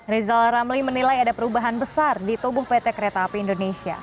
rizal ramli menilai ada perubahan besar di tubuh pt kereta api indonesia